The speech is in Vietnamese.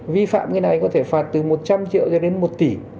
vi phạm cái này có thể phạt từ một trăm linh triệu cho đến một tỷ